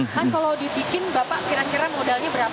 kan kalau dibikin bapak kira kira modalnya berapa